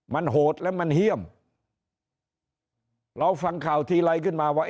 มันโหดและมันเฮี่ยมเราฟังข่าวทีไรขึ้นมาว่า